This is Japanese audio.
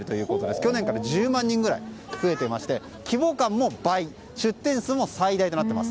去年から１０万人ぐらい増えていまして規模感も倍、出店数も最大となっています。